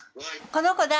この子誰？